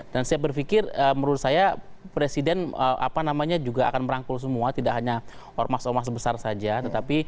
dan saya berpikir menurut saya presiden juga akan merangkul semua tidak hanya ormas ormas besar saja